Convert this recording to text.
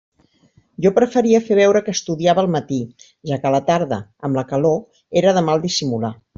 Jo preferia fer veure que estudiava al matí, ja que a la tarda amb la calor, era de mal dissimular.